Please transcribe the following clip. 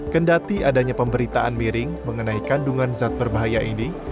kendati adanya pemberitaan miring mengenai kandungan zat berbahaya ini